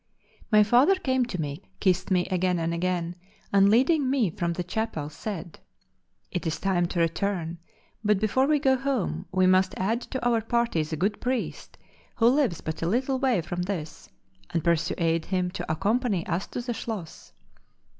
My father came to me, kissed me again and again, and leading me from the chapel, said: "It is time to return, but before we go home, we must add to our party the good priest, who lives but a little way from this; and persuade him to accompany us to the schloss."